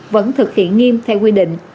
vẫn thực hiện nghiêm theo quy định